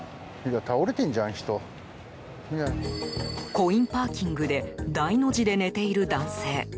コインパーキングで大の字で寝ている男性。